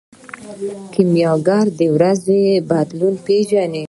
کیمیاګر د روح بدلون پیژني.